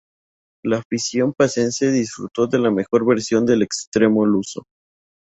La afición pacense disfrutó de la mejor versión del extremo luso.